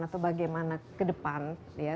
atau bagaimana ke depan ya